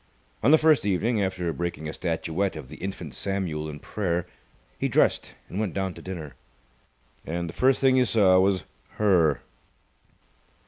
On the first evening, after breaking a statuette of the Infant Samuel in Prayer, he dressed and went down to dinner. And the first thing he saw was Her.